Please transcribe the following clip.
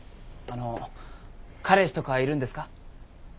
あの彼氏とかいるんですか？